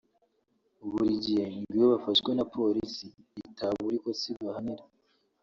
Buri gihe ngo iyo bafashwe na polisi itabura ikosa ibahanira